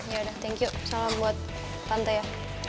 yaudah thank you salam buat tante ya